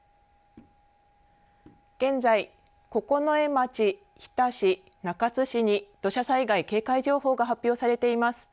現在、九重町、日田市、中津市に土砂災害警戒情報が発表されています。